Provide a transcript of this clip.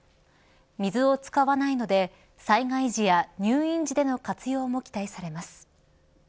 水を使わないので災害時や入院時での活用も期待されます。